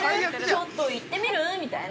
ちょっと行ってみる？みたいな。